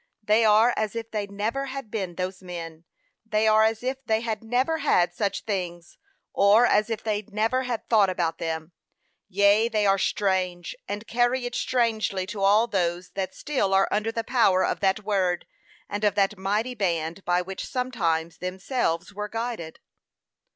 They are as if they never had been those men; they are as if they had never had such things; or, as if they never had thought about them. Yea, they are strange, and carry it strangely to all those that still are under the power of that word, and of that mighty band by which sometimes themselves were guided.